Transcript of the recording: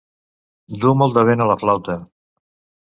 Dur molt de vent a la flauta.